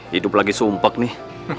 hidup lagi sumpek nih